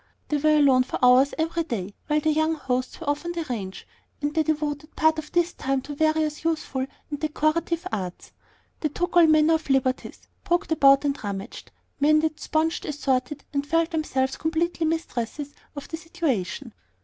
They were alone for hours every day, while their young hosts were off on the ranch, and they devoted part of this time to various useful and decorative arts. They took all manner of liberties, poked about and rummaged, mended, sponged, assorted, and felt themselves completely mistresses of the situation.